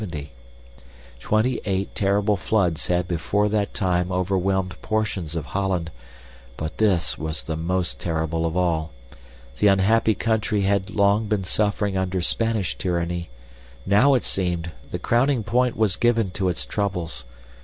Twenty eight terrible floods had before that time overwhelmed portions of Holland, but this was the most terrible of all. The unhappy country had long been suffering under Spanish tyranny; now, it seemed, the crowning point was given to its troubles.